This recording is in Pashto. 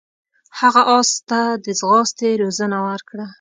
هغه اس ته د ځغاستې روزنه ورکړه.